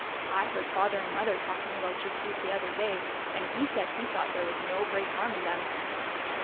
" I heard father and mother talking about Gypsies the other day, and he said he thought there was no great harm in them."